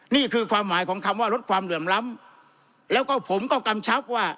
นี่คือความหมายของคำว่าลดความเหลื่อมล้ำแล้วก็ผมก็กำชับว่า